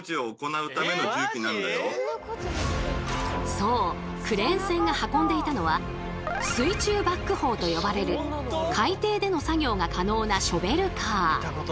そうクレーン船が運んでいたのは水中バックホウと呼ばれる海底での作業が可能なショベルカー。